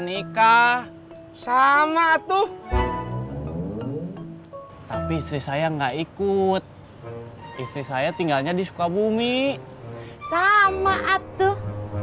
nikah sama tuh tapi istri saya enggak ikut istri saya tinggalnya di sukabumi sama atuh